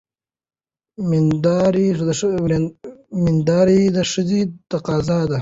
مېندواري د ښځې تقاضا ده.